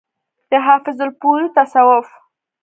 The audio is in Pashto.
د حافظ الپورئ تصوف